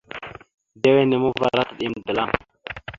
Edewa henne ma uvar ataɗ yam dəlaŋ.